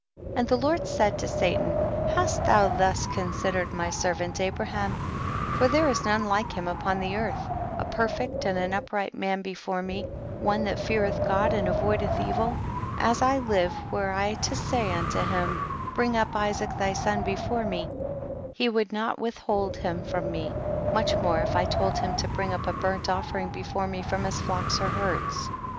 54. And the Lord said to Satan, hast thou thus considered my servant Abraham ? for there is none like him upon earth, a perfect and an upright man before me, one that feareth God and avoideth evil ; as I live, were I to say unto him, bring up Isaac thy son before me, he would not withhold him from me, much more if I told him to bring up a burnt offering be fore me from his flocks or herds.